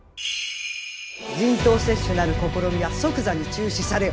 人痘接種なる試みは即座に中止されよ！